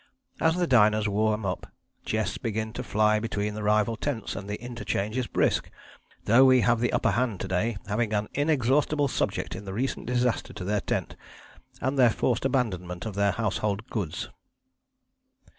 As the diners warm up jests begin to fly between the rival tents and the interchange is brisk, though we have the upper hand to day, having an inexhaustible subject in the recent disaster to their tent, and their forced abandonment of their household gods.